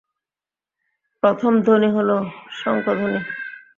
প্রথম ধ্বনি হল শঙ্খধ্বনি।